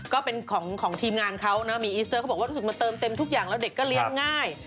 ก็เป็นของทีมงานเขานะมีอิสเตอร์เขาบอกว่ารู้สึกมันเติมเต็มทุกอย่างแล้วเด็กก็เลี้ยงง่าย